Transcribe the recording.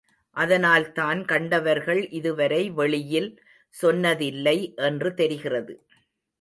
அதனால்தான் கண்டவர்கள் இதுவரை வெளியில் சொன்னதில்லை என்று தெரிகிறது.